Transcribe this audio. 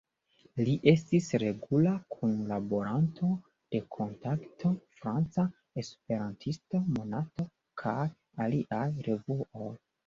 Li estis regula kunlaboranto de "Kontakto," "Franca Esperantisto", "Monato" kaj aliaj revuoj.